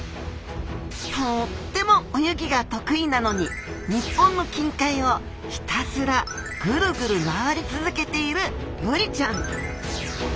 とっても泳ぎが得意なのに日本の近海をひたすらグルグル回り続けているブリちゃん。